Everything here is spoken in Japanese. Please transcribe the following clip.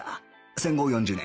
戦後４０年